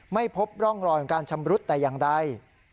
ไม่พบร่องรอยของการชำรุดแต่อย่างใด